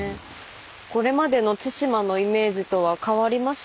これまでの対馬のイメージとは変わりましたか？